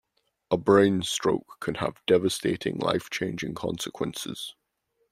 A brain stroke can have devastating life changing consequences.